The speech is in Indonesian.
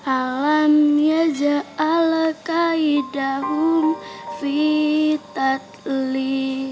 alam yaja ala kai daum fitat li